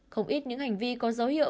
không ít những hành vi có dấu hiệu